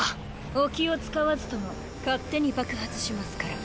お気を遣わずとも勝手に爆発しますから。